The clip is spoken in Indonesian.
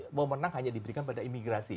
uwomenang hanya diberikan pada imigrasi